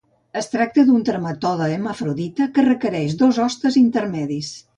Es tracta d'un trematode hermafrodita que requereix dos hostes intermedis.